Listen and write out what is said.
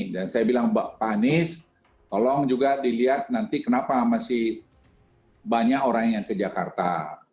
dan saya bilang pak anies tolong juga dilihat nanti kenapa masih banyak orang yang ke jakarta